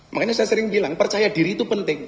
makanya saya sering bilang percaya diri itu penting